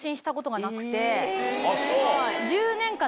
あっそう？